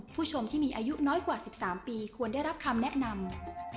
ผู้ชมที่มีอายุน้อยกว่า๑๓ปีควรได้รับคำแนะนำ